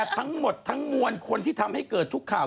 ทั้งหมดทั้งมวลคนที่ทำให้เกิดทุกข่าว